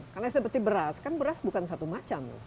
karena seperti beras kan beras bukan satu macam